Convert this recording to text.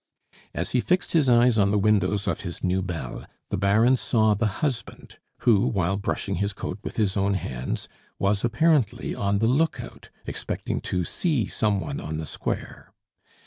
As he fixed his eyes on the windows of his new belle, the Baron saw the husband, who, while brushing his coat with his own hands, was apparently on the lookout, expecting to see some one on the square.